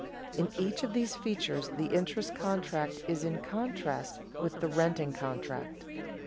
In each of these features the interest contract is in contrast with the renting contract.